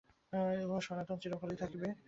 উহা সনাতন, চিরকালই থাকিবে।